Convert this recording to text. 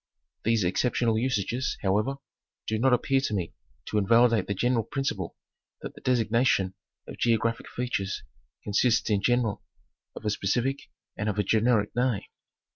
'These exceptional usages, however, do not appear to me to invalidate the general principle that the designation of geographic features consists in general of a specific and of a generic name.